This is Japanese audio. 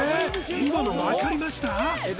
今の分かりました！？